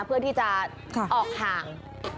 เพื่อที่จะออกห่าง